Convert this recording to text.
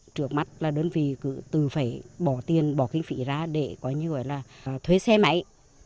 trước mắt đơn vị từ phải bỏ tiền bỏ kinh phị ra để thuế xe máy